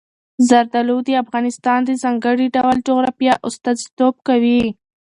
زردالو د افغانستان د ځانګړي ډول جغرافیه استازیتوب کوي.